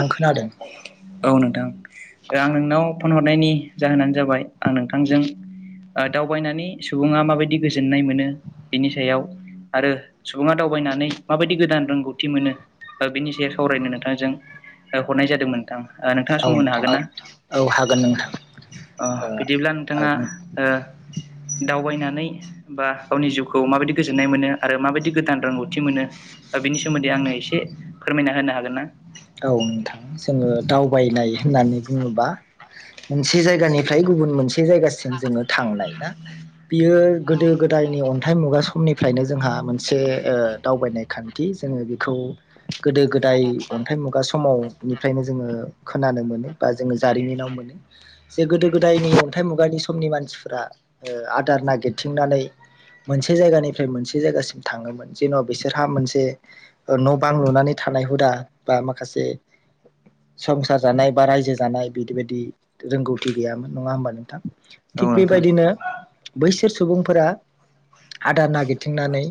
आं खोनादों औ नोंथां। आं नोंनाव फन हरनायनि जाहोनानो जाबाय आं नोंथांजों ओ दावबायनानै सुबुङा माबायदि गोजोननाय मोनो बिनि सायाव आरो सुबुङा दावबायनानै माबायदि गोदान रोंगौथि मोनो बेनि बा सायाव सावरायनो नों थांजों ओ हरनाय जादोंमोन नोंथां। नोंथाङा औ सम होनो नोंथां हागोन ना? औ हागोन नोंथां। अ ओ बिदिब्ला नोंथाङा औ ओ दावबायनानै बा गावनि जिउखौ माबायदि गोजोन्नाय मोनो आरो माबायदि गोदान रोंगौथि मोनो बा बेनि सोमोन्दै आंनो एसे फोरमायना होनो हागोन ना? औ नोंथां जोङो दावबायनाय होननानै बुङोबा मोनसे जायगानिफ्राय गुबुन मोनसे जायगासिम जोङो थांनाय ना बियो गोदो गोदायनि अन्थाइ मुगा समनिफ्रायनो जोंहा मोनसे ओ दावबायनाय खान्थि जोङो बेखौ गोदो गोदाय अन्थाइ मुगा समाव निफ्रायनो जोङो खोनानो मोनो बा जोङो जारिमिनाव मोनो जे गोदो गोदायनि अन्थाइ मुगानि समनि मानसिफोरा ओ आदार नागिरथिंनानै मोनसे जायगानिफ्राय मोनसे जायगासिम थाङोमोन जेन'बा बिसोरहा मोनसे ओ न' बां लुनानै था थानाय हुदा बा माखासे संसार जानाय बा रायजो जानाय बिदिबायदि रोंगौथि गैयामोन नङा होमबा नोंथां। औ थिग नोंथां बिबायदिनो बैसोर सुबुंफोरा आदार नागिरथिंनानै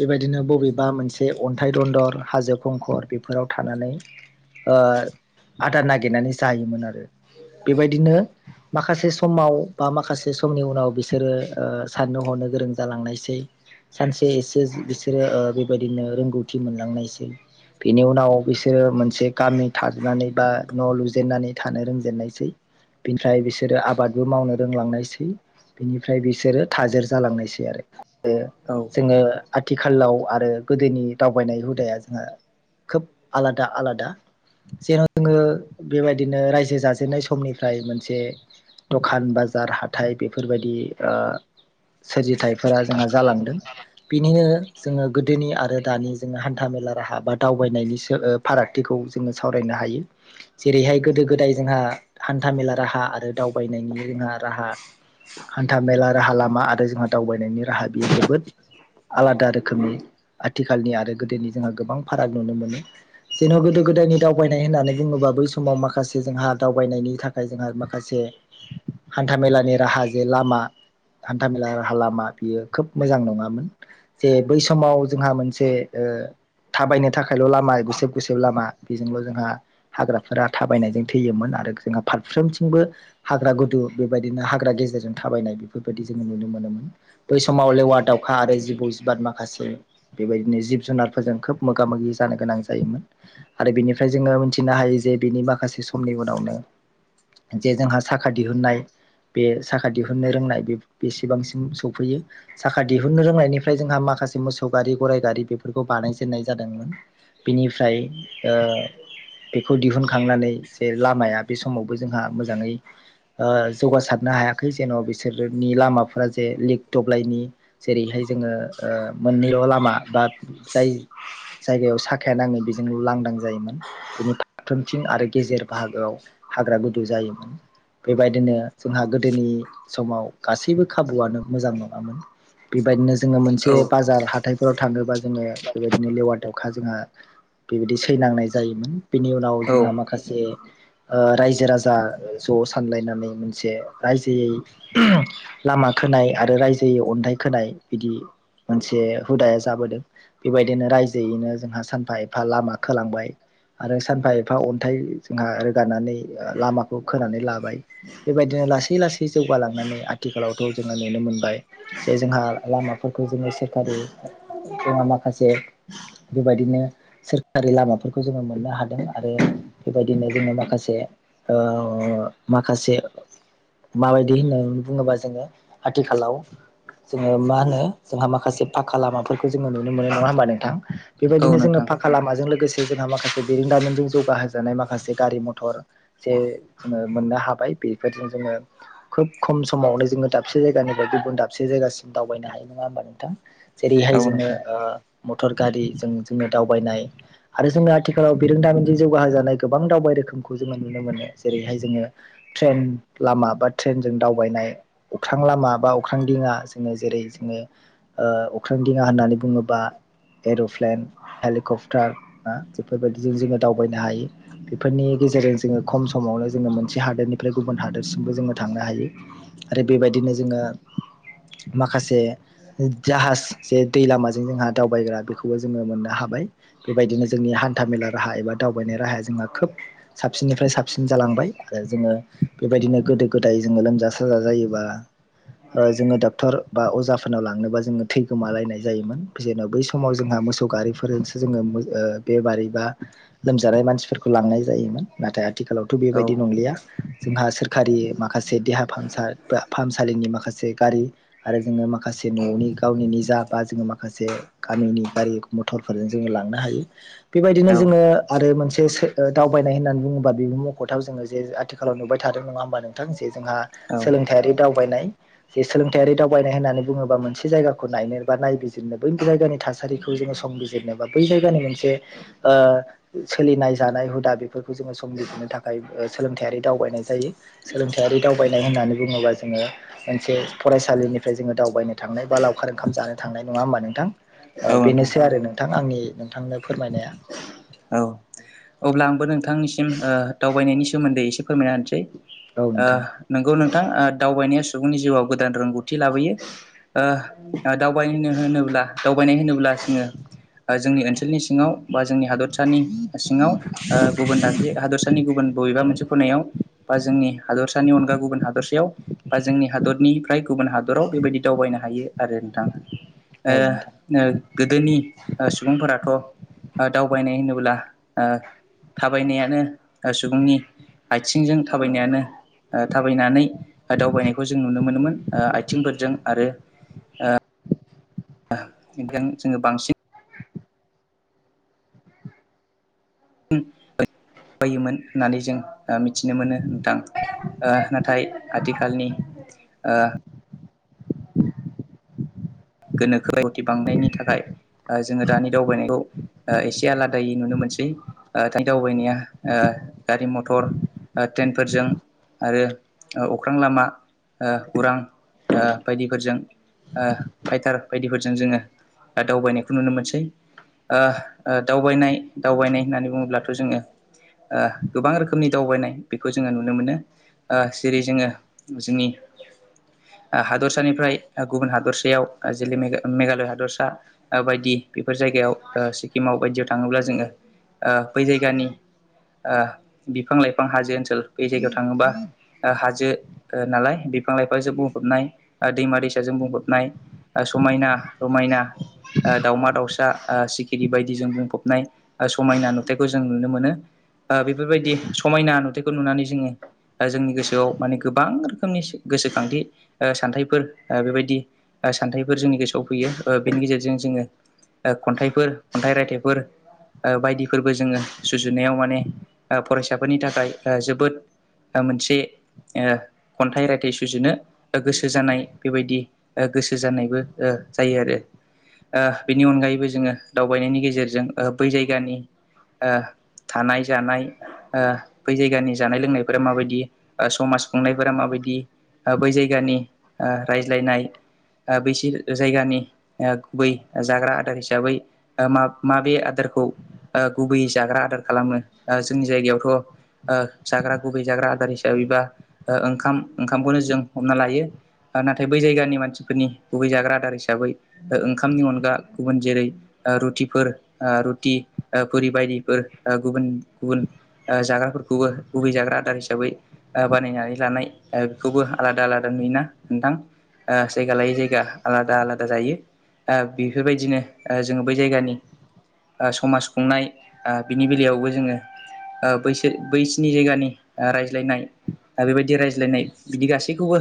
बेबायदिनो बबेबा मोनसे अन्थाइ दन्दर हाजो खंखर बेफोराव थानानै ओ आदार नागिरनानै जायोमोन आरो। बेबायदिनो माखासे समाव बा माखासे समनि उनाव बिसोरो ओ साननो हन नो गोरों जालांनायसै। सानसे एसे बिसोरो ओ बेबायदिनो रोंगौथि मोनलांनायसै। बेनि उनाव बिसोरो मोनसे गामि थारनानै बा न' लुजेननानै थानो रोंजेननायसै। बिनिफ्राय बिसोरो आबादबो मावनो रोंलांनायसै। बिनिफ्राय बिसोरो थाजेर जालांनायसै आरो ओ औ जोङो आथिखालाव आरो गोदोनि दावबायनाय हुदाया जोंहा खोब आलादा आलादा जेन' जोङो बेबायदिनो रायजो जाजेननाय समनिफ्राय मोनसे दखान बाजार हाथाइ बेफोरबायदि ओ सोरजिथाइ फोरा जोंहा जालांदों बिनिनो जोङो गोदोनि आरो दानि जोङो हान्था मेला राहा बा दावबायनायनि ओ फारागथिखौ जोङो सावरायनो हायो जेरैहाय गोदो गोदाय जोंहा हान्था-मेला राहा आरो दावबायनायनि जोंहा राहा हान्था मेला राहा लामा आरो जोंहा दावबायनायनि राहा बेयो जोबोद आलादा रोखोमनि आथिखालनि आरो गोदोनि जोंहा गोबां फाराग नुनो मोनो। जेन' गोदो गोदायनि दावबायनाय होननानै बुङोबा बै समाव माखासे जोंहा दावबायनायनि थाखाय जोंहा माखास से हान्था मेलानि राहा जे लामा हान्थामेला रालामा बियो खोब मोजां नङामोन जे बै समाव जोंहा मोनसे ओ थाबायनो थाखायल' लामा बेस गुसोब गुसेब लामा बेजोंल' जोंहा हाग्राफोरा थाबायनायजों थैयोमोन आरो जोंहा फारफ्रोमथिंबो हाग्रा गुदु बेबायदिनो हाग्रा गेजेरजों थाबायनाय बेफोर बायदि जोङो नुनो मोनोमोन। बै समाव लेवा दावखा आरो जिबौ बाद माखासे बेबायदिनो जिब जुनारफोरजों खोब मोगा मोगि जानो गोनां जायो। जायोमोन आरो बिनिफ्राय जोङो मिथिनो हायो जे बिनि माखासे समनि उनावनो जे जोंहा साखा दिहुननाय बे साखा दिहुननो रोंनाय बे बेसेबांसिम सफैयो साखा दिहुननो रोंनायनिफ्राय जोंहा मा माखासे मोसौ गारि गराइ गारि बेफोरखौ बानायजेनाय जादोंमोन। बिनिफ्राय ओ बेखौ दिहुनखांनानै जे लामाया बे समावबो जोंहा मोजाङै ओ जौगासारन नो हायाखै। जेन' बिसोरनि लामाफोरा जे लिक [unintelligible] जेरैहाय जोङो ओ मोननैबो लामा बा जाय जायगायाव सा काया नाङो बिजों लांदां जायोमोन। बेनि फारफ्रोमथिं आरो गेजेर बाहागोआव हाग्रा गुदुं जायो मोन। बेबायदिनो जोंहा गोदोनि समाव गासैबो खाबुआनो मोजां नङामोन। बेबायदिनो जोङो मोनसे औ बाजार हाथायफोराव थाङोबा जोङो बेबायदिनो लेवार दावखा जोंहा बेबायदि सैनांनाय जायोमोन बिनि उनाव औ जोंहा माखासे ओ रायजो राजा ज' सानलायनानै मोनसे रायजोयै [inaudible] लामा खोनाय आरो रायजोयै अन्थाइ खोनाय बिदि मोनसे हुदाया जाबोदों बेबायदिनो रायजोयैनो जोंहा सा एफा एफा लामा खोलांबाय आरो सानफा एफा अन्थाइ जोंहा रोगानानै लामाखौ खोनानै लाबाय। बेबायदिनो लासै लासै जौगालांनानै आथिखालावथ' जोङो नुनो मोनबाय जे जोंहा लामा खौ जोङो सोरखारि जोंहा माखासे बेबायदिनो सोरखारि लामाफोरखौ जोङो मोननो हादों आरो बेबायदिनो जोङो माखासे ओ ओ माखासे माबायदि होननानै बुङोबा जोङो आथिखालाव जोङो मा होनो जोंहा माखासे फाखा लामाफोरखौ जोङो नुनो मोनो नङा होमबा नोंथां? औ नोंथां माजों लोगोसे जोंहा माखासे बेरोंदामजों जौगाहोजानाय माखासे गारि मथर जे जोङो मोननो हाबाय बेफोरजों जोङो खोब खम समावनो जोङो दाबसे जायगानिफ्राय गुबुन दाबसे जायगासिम दा बायनो हायो नङा होमबा नोंथां जेरैहाय औ जोङो नोंथां ओ मटर गारि जों जे दावबायनाय आरो जोङो आथिखालाव बिरोंदामिनजों जौगाहोजानाय गोबां दावबाय रोखोमखौ जोङो नुनो मोनो जेरैहाय जोङो ट्रेन लामा बा ट्रेनजों दावबायनाय अख्रां लामा बा अख्रां दिङा जोङो जेरै जोङो ओ अख्रां दिङा होननानै बुङोबा एर'प्लेन हेलिकप्टार ना बेफोरबायदिजों जोङो दावबायनो हायो बेफोरनि गेजेरजों जोङो खम समाव नो जोङो मोनसे हादोरनिफ्राय गुबुन हादोरसिमबो जोङो थांनो हायो आरो बेबायदिनो जोङो माखासे जाहाज जे दै लामाजों जोंहा दावबायग्रा बेखौबो जोङो मोननो। हाबाय बेबायदिनो जोंनि हान्था मेला राहा एबा दावबायनाय राहाया जोंहा खोब साबसिननिफ्राय साबसिन जालांबाय आरो जोङो बेबायदिनो गोदो गोदाय जोङो लोमजा साजा जायोबा ओ जोङो डाक्टर बा अजाफोरनाव लांनोबा जोङो थैगोमालायनाय जायोमोन जेराव बै समाव जोंहा मोसौ गारि फोरजोंसो जोङो बेमारि बा लोमजानाय मानसिफोरखौ लांनाय जायोमोन नाथाय आथिखालावथ' औ बेबायदि नंलिया जोंहा सोरखारि माखासे देहा फाहामसा फोरा फाहामसालिनि माखासे गारि आरो जोङो माखासे न'नि गावनि निजा बा जोङो माखासे गामिनि गारि मथरफोरजों जोङो लांनो हायो। बेबायदिनो औ जोङो आरो मोनसे दावबायनाय होननानै बुङोबा ब म'खथाव जोङो जे आथिखालाव नुबाय थादों नङा होमबा नोंथां जे जोंहा औ सोलोंथाइारि दावबायनाय जे सोलोंथायारि दावबायनाय होननानै बुङोबा मोनसे जायगाखौ नायनो बा नायबिजिरनो बै जायगानि थासारिखौ जोङो संबिजिरनोबा बै जायगानि मोनसे सोलिनाय जानाय हुदा बेफोरखौ जोङो संबिजिरनो नो थाखाय सोलोंथारि दावबायनाय जायो सोलोंथायारि दावबायनाय होननानै बुङोबा जोङो मोनसे फरायसालिनिफ्राय जोङो दावबायनो थांनाय बा लावखार ओंखाम जानो थांनाय नङा होमबा नोंथां? ओ औ नोंथां बेनोसै आरो नोंथां आंनि नोंथांनो फोरमायनाया। औ अब्ला आंबो नोंथांनिसिम ओ दावबायनायनि सोमोन्दै एसे फोरमायना होनोसै। औ ओ नोंथां नंगौ नोंथां दावबायनाया सुबुंनि जिउआव गो गोदान रोंगौथि लाबोयो ओ दावबायनाय होनोब्ला दावबायनाय होनोब्ला जोङो जोंनि ओनसोलाव ओनसोलनि सिङाव बा जोंनि हादरसानि सिङाव गुबुन हादरसानि गुबुन बबेबा मोनसे खनायाव बा जोंनि हादरसानि अनगा गुबुन हादरसायाव बा जोंनि हादरनिफ्राय गुबुन हादराव बेबायदि दावबायनो हायो आरो नोंथां ओ औ नोंथां। गोदोनि सुबुंफोराथ' दाव दावबायनाय होनोब्ला ओ थाबायनायानो सुबुंनि आथिंजों थाबायनायानो थाबायनानै दावबायनायखौ जों नुनो मोनोमोन ओ आथिंफोरजों आरो ओ बेखायनो जोङो बांसिन [unintelligible] जायोमोन होननानै जों मिथिनो मोनो नोंथां ओ नाथाय आथिखालनि ओ [unintelligible] गोनोखो रोंगौथि बांनायनि थाखाय जोङो दानि दावबायनायखौ एसे आलादायै नुनो मोनसै दानि दावबायनाया ओ गारि मथर ट्रेनफोरजों आरो अख्रां लामा ओ उरां बायदिफोरजों ओ फाइटार बायदिफोरजों जोङो दावबायनायखौ नुनो मोनसै। ओ दावबायनाय दावबायनाय होननानै बुङोब्लाथ' जोङो गोबां रोखोमनि दावबायनाय बेखौ जोङो नुनो मोनो। ओ जेरै जोङो जोंनि हादरसानिफ्राय गुबुन हादरसायाव जैे मेघालय हादरसा बायदि बेफोर जायगायाव सिक्किमाव बायदियाव थाङोब्ला जोङो ओ बै जायगानि ओ बिफां लाइफां हाजो ओनसोल बै जायगायाव थाङोबा ओ हाजो नालाय बिफां लाइफांजों बुंफबनाय दैमा दैसाजों बुंहबनाय समायना रमायना दाउमा दाउसा सिखिरि बायदिजों बुंफबनाय समायना नुथायखौ जों नुनो मोनो। बेफोरबायदि समायना नुथायखौ नुनानै जोङो ओ जोंनि गोसोआव माने गोबां रोखोमनि गोसोखांथि ओ सान्थाइफोर ओ बेबायदि ओ सान्थाइफोर जोंनि गोसोआव फैयो ओ बिनि गेजेरजों जोङो ओ खन्थाइफोर खन्थाइ रायथाइफोर ओ बायदिफोरबो जोङो सुजुनायाव माने ओ फरायसाफोरनि थाखाय ओ जोबोद ओ मोनसे ओ खन्थाइ रायथाइ सुजुनो गोसो जानाय बेबायदि ओ गोसो गोसो जानायबो ओ जायो आरो। ओ बिनि अनगायैबो जोङो दावबायनायनि गेजेरजों ओ बै जायगानि ओ थानाय जानाय ओ बै जायगानि जानाय लोंनायफोरा माबायदि ओ समाज खुंनायफोरा माबायदि बायदि बै जायगनि ओ रायज्लायनाय ओ बैस जायगानि गुबै जाग्रा आदार हिसाबै माबे आदारखौ ओ गुबैयै जाग्रा आदार खालामो जोंनि जायगायावथ' ओ जाग्रा गुबै जाग्रा आदार हिसाबैबा ओ ओंखाम ओंखामखौनो जों हमना लायो। नाथाय बै जायगानि मानसिफोरनि गुबै जाग्रा आदार हिसाबै ओंखामनि अनगा गुबुन जेरै ओ रुटिफोर ओ रुटि ओ पुरि बायदिफोर ओ गुबुन गुबुन जाग्राफोरखौबो गुबै जाग्रा आदार हिसाबै बानायनानै लानाय बेखौबो आलादा आलादा नुयोना नोंथां जायगा लायै जाय गा आलादा आलादा जायो बेफोरबायदिनो जोङो बै जायगानि समाज खुंनाय बिनि बेलायावबो जोङो बैसोर बैसिनि जायगानि रायज्लायनाय आरो बेबायदि रायज्लायनाय बिदि गासैखौबो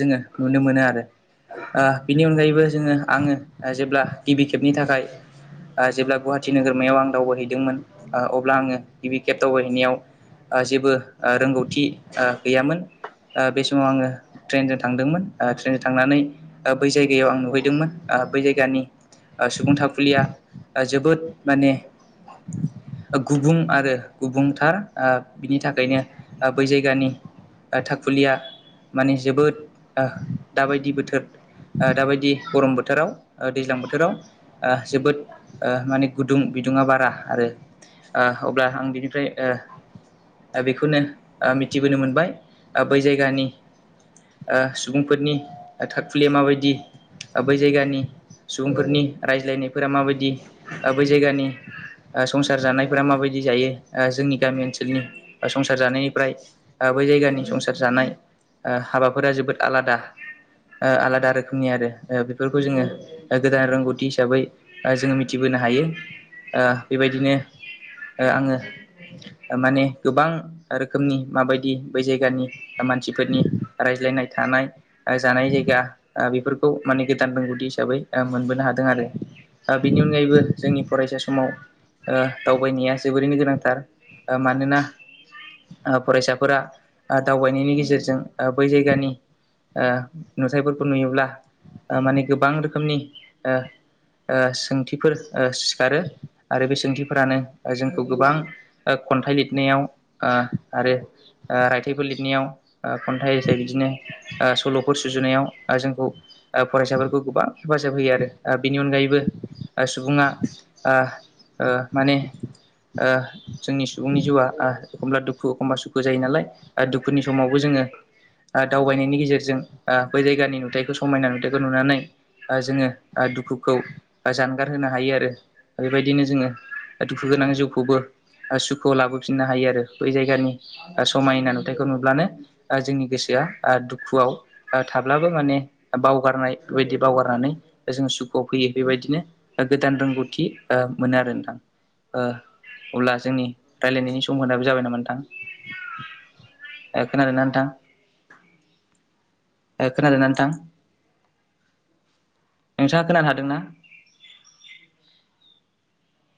जोङो नुनो मोनो आरो बिनि अनगायैबो जोङो आङो जेब्ला गिबि खेबनि थाखाय जेब्ला गुवाहाटि नोगोरमायाव आं दावबायहैदोंमोन अब्ला आङो गिबि केब दावबायहैनायाव जेबो रोंगौथि गैयामोन बे समाव आङो ट्रेनजों थांदोंमोन ट्रेनजों थांनानै बै जायगायाव आं नुहैदोंमोन बै जायगानि सुबुं थाखुलिया जोबोद माने गुबुं आरो गुबुंथार बिनि थाखायनो बै जायगानि थाखुलिया माने जोबोद दाबायदि बोथोर दाबायदि गरम बोथोराव दैज्लां बोथोराव जोबोद माने गुदुं बिदुङा बारा आरो अब्ला आं बिनिफ्राय बेखौनो मिथिबोनो मोनबाय बै जायगानि सुबुंफोरनि थाख्लिया माबायदि बै जायगानि सुबुंफोरनि रायज्लायनाय फोरा माबायदि बै जायगानि संसार जानायफोरा माबायदि जायो जोंनि गामि ओनसोलनि संसार जानायनिफ्राय बै जायगानि संसार जानाय हाबाफोरा जोबोद आलादा आलादा रोखोमनि आरो बेफोरखौ जोङो गोदान रोंगौथि हिसाबै जोङो मिथिबो होनो हायो बेबायदिनो आङो माने गोबां रोखोमनि माबायदि बै जायगानि मानसिफोरनि रायज्लाय नाय थानाय जानाय जायगा बेफोरखौ माने गोदान रोंगौथि हिसाबै मोनबोनो हादों आरो बेनि अनगायैबो जोंनि फरायसा समाव दावबायनाया जोबोरैनो गोनांथार मानोना फरायसाफोरा दावबायनायनि गेजेरजों बै जायगानि नुथायफोरखौ नुयोब्ला माने गोबां रोखोमनि ओ सोंथिफोर सिखारो आरो बे सोंथिफोरानो जोंखौ गोबां खन्थाइ लिरनायाव आरो रायथाइफोर लिरनायाव खन्थाइसै बिदिनो सल'फोर सुजुनायाव जोंखौ फरायसाफोरखौ गोबां हेफाजाब होयो आरो बेनि अनगायैबो सुबुङा ओ ओ माने ओ जोंनि सुबुंनि जिउआ एखमब्ला दुखु एखमबा सुखु जायो नालाय दुखुनि समावबो जों जोङो दावबायनायनि गेजेरजों ओ बै जायगानि नुथाइखौ समायना नुथायाइखौ नुनानै जोङो दुखुखौ जानगार होनो हायो आरो बेबायदिनो जोङो दुखु गोनां जिउखौबो सुखुआव लाबोफिननो हायो आरो बै जायगानि समायना नुथायखौ नुब्लानो जोंनि गोसो दुखुआव ओ थाब्लाबो माने बावगारनाय बेबायदि बावगारनानै जों आव फैयो बेबायदिनो ओ गोदान रोंगौथि ओ मोनो आरो नोंथां ओ अब्ला जोंनि रायलायनायनि समाबो जाबाय नामा नोंथां ओ खोनादों ना नोंथां खोनादोंना नोंथां नोंथाङा खोनानो हादोंना